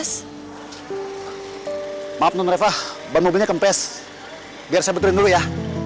sebab untuk bahwa seribu sembilan ratus sembilan belas birth tadi ngomongin dulu ya